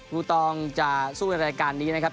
ูตองจะสู้ในรายการนี้นะครับ